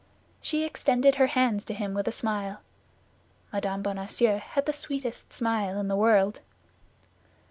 She extended her hands to him with a smile. Mme. Bonacieux had the sweetest smile in the world.